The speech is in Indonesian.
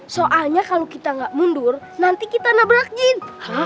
soalnya kalau kita gak mundur nanti kita nabrak jin